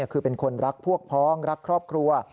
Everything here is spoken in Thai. คือเป็นคนรักพวกพ้องรักครอบครัว